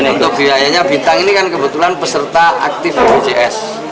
untuk biayanya bintang ini kan kebetulan peserta aktif bpjs